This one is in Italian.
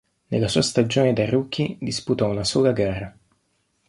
Nella sua stagione da rookie disputò una sola gara.